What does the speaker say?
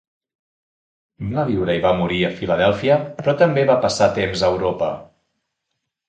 Va viure i va morir a Filadèlfia, però també va passar temps a Europa.